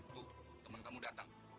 tuh teman kamu datang